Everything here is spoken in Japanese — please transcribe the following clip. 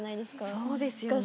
そうですよね。